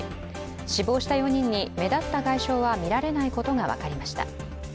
死亡した４人に目立った外傷は見られないことが分かりました。